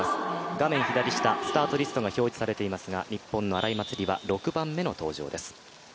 画面左下、スタートリストが表示されていますが日本の荒井祭里は６番目の登場です。